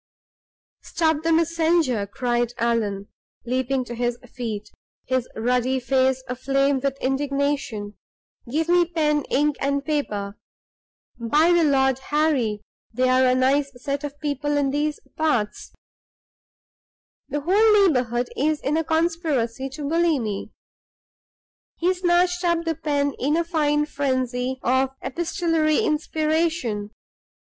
"Stop the messenger!" cried Allan, leaping to his feet, his ruddy face aflame with indignation. "Give me pen, ink, and paper! By the Lord Harry, they're a nice set of people in these parts; the whole neighborhood is in a conspiracy to bully me!" He snatched up the pen in a fine frenzy of epistolary inspiration.